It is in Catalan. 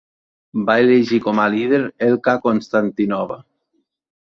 Va elegir com a líder Elka Konstantinova.